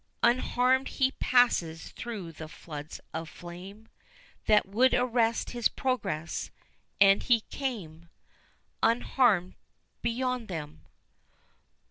Unharmed he passes through the floods of flame That would arrest his progress, and he came Unharmed beyond them.